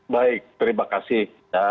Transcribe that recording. baik terima kasih